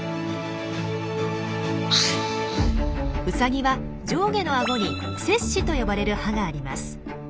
ウサギは上下のあごに切歯と呼ばれる歯があります。